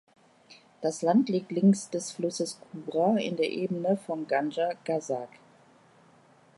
Das Land liegt links des Flusses Kura, in der Ebene von Gandja-Gazakh.